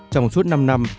trong suốt năm năm